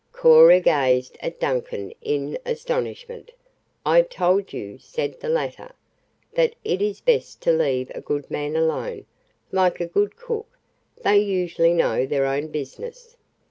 Cora gazed at Duncan in astonishment. "I told you," said the latter, "that it is best to leave a good man alone. Like a good cook, they usually know their own business."